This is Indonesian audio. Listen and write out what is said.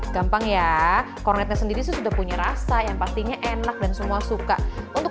gampang ya kornetnya sendiri sudah punya rasa yang pastinya enak dan semua suka untuk